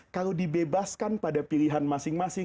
kalau dibebaskan pada pilihan masing masing